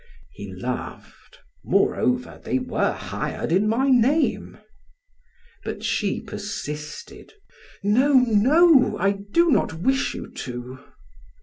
He laughed. "Moreover, they were hired in my name!" But she persisted: "No, no, I do not wish you to."